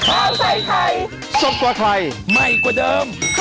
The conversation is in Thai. ข้าวใส่ไทยสอบกว่าใครใหม่กว่าเดิมค่อยเมื่อล่า